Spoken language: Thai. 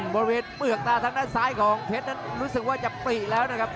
บริเวณเปลือกตาทางด้านซ้ายของเพชรนั้นรู้สึกว่าจะปลีแล้วนะครับ